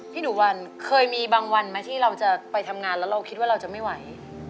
พี่หนูวาลเกิดมีแปบที่ไปทำงานแล้วเราคิดว่าเราจะไม่ไหว